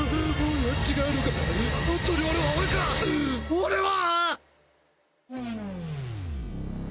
俺は。